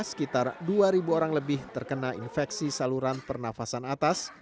sekitar dua orang lebih terkena infeksi saluran pernafasan atas